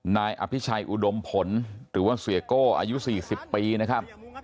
นายอภิชัยอุดมผลหรือว่าเสียโก้อายุ๔๐ปีนะครับ